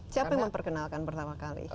siapa yang memperkenalkan pertama kali